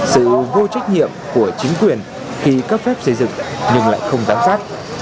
sự vô trách nhiệm của chính quyền khi cấp phép xây dựng nhưng lại không giám sát